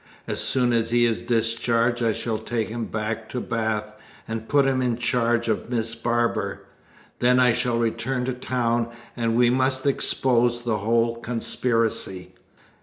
As soon as he is discharged I shall take him back to Bath, and put him in charge of Miss Barbar; then I shall return to town, and we must expose the whole conspiracy!"